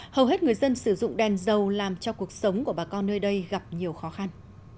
hầu hết người dân sử dụng đèn dầu làm cho cuộc sống của bà con nơi đây gặp nhiều khó khăn